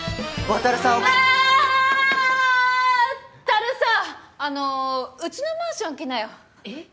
渉さあのうちのマンション来なよ。えっ？